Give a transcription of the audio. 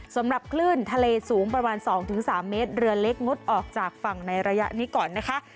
สำหรับคลื่นทะเลสูงประมาณ๒๓เมตรเรือเล็กงดออกจากฝั่งในระยะนี้ก่อนนะคะ